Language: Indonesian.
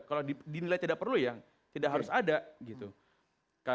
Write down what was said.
kalau dinilai tidak perlu tidak harus ada